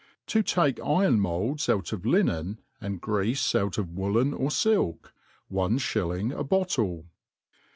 To take Iron Molds out of Linen^ and Greafe out of Woollen or SilL — One Shilling a Bottle.